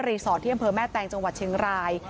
สตที่อำเภอแม่แตงจังหวัดเชียงราย